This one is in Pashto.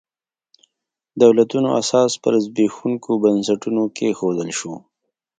دولتونو اساس پر زبېښونکو بنسټونو کېښودل شو.